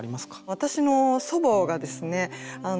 私の祖母がですね